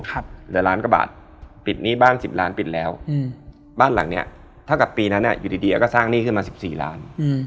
เดี๋ยวล้านกว่าบาทปิดหนี้บ้าน๑๐ล้านปิดแล้วบ้านหลังนี้เท่ากับปีนั้นอยู่ดีก็สร้างหนี้ขึ้นมา๑๔ล้าน